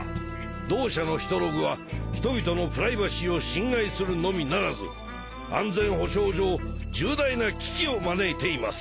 同社のヒトログは人々のプライバシーを侵害するのみならず安全保障上重大な危機を招いています。